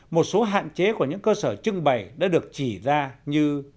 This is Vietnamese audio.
một số hạn chế của những cơ sở trưng bày đã được chỉ ra như